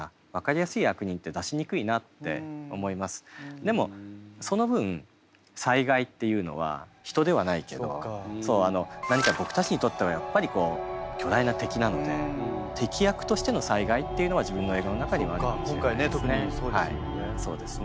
でもその分災害っていうのは人ではないけど何か僕たちにとってはやっぱり巨大な敵なので敵役としての災害っていうのは自分の映画の中にはあるかもしれないですね。